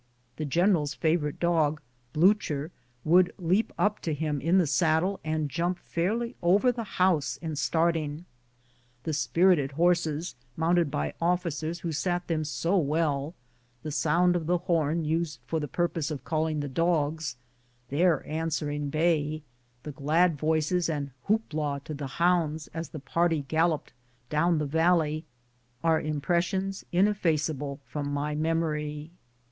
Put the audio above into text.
The general's favorite dog, Bliicher, woidd leap up to him in the saddle, and jump fairly over the horse in starting. The spirited horses, mounted by oflficera who sat them so well, the sound of the horn used for the purpose of calling the dogs, their answering bay, the glad voices, and " whoop la" to the hounds as the party galloped down the valley, are impressions ineffaceable from my memory.